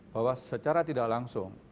bahwa secara tidak langsung